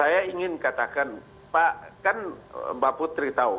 ya kan pak kan mbak putri tahu